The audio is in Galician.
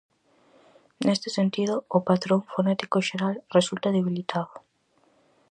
Neste sentido, o patrón fonético xeral resulta debilitado.